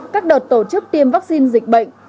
các đợt tổ chức tiêm vaccine dịch bệnh